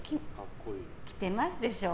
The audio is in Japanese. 着てますでしょ。